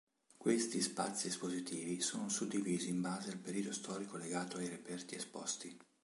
Questi spazi espositivi sono suddivisi in base al periodo storico legato ai reperti esposti.